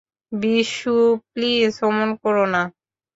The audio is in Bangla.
বিশু, প্লীজ অমন কোরো না।